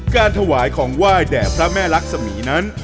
การถวายของไหว้แด่พระแม่รักษมีนั้น